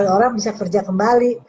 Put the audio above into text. orang bisa kerja kembali